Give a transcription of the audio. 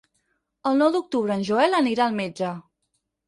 El nou d'octubre en Joel anirà al metge.